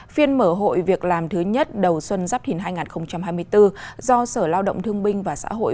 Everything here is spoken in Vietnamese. phiên mở hội việc làm thứ nhất đầu xuân giáp thìn hai nghìn hai mươi bốn do sở lao động thương binh và xã hội